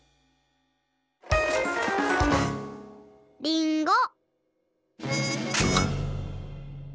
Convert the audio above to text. りんご。